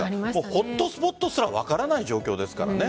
ホットスポットすら分からない状況ですから。